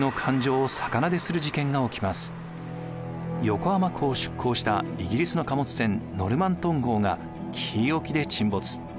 横浜港を出港したイギリスの貨物船ノルマントン号が紀伊沖で沈没。